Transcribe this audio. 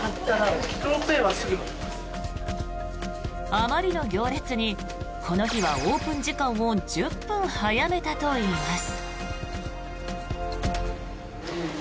あまりの行列にこの日はオープン時間を１０分早めたといいます。